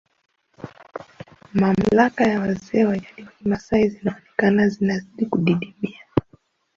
mamlaka za wazee wa jadi wa Kimasai zinaonekana zinazidi kudidimia